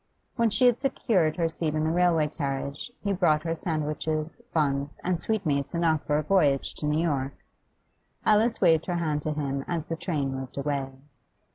When she had secured her seat in the railway carriage he brought her sandwiches, buns, and sweetmeats enough for a voyage to New York. Alice waved her hand to him as the train moved away.